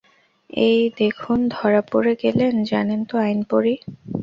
এই দেখুন ধরা পড়ে গেলেন, জানেন তো আইন পড়ি।